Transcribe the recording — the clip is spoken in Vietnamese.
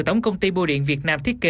và tổng công ty bộ điện việt nam thiết kế